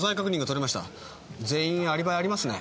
全員アリバイありますね。